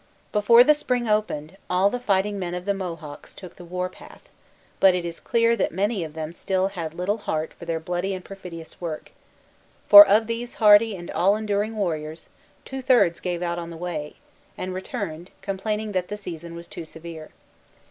Before the spring opened, all the fighting men of the Mohawks took the war path; but it is clear that many of them still had little heart for their bloody and perfidious work; for, of these hardy and all enduring warriors, two thirds gave out on the way, and returned, complaining that the season was too severe.